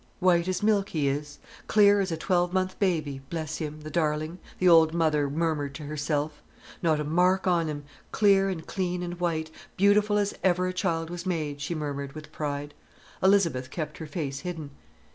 "White as milk he is, clear as a twelve month baby, bless him, the darling!" the old mother murmured to herself. "Not a mark on him, clear and clean and white, beautiful as ever a child was made," she murmured with pride. Elizabeth kept her face hidden.